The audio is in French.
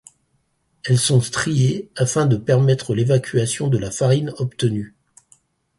Elles sont striées afin de permettre l'évacuation de la farine obtenue.